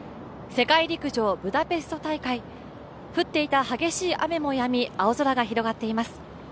世界陸上ブダペスト大会、降っていた激しい雨もやみ青空が広がっています。